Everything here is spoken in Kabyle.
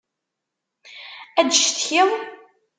Ad d-ccetkiḍ!?